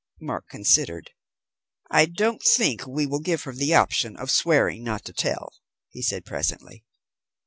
Mark considered. "I don't think we will give her the option of swearing not to tell," he said presently.